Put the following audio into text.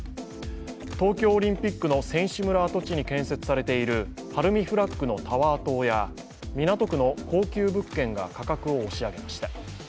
東京オリンピックの選手村跡地に建設されているＨＡＲＵＭＩＦＬＡＧのタワー棟や港区の高級物件が価格を押し上げました。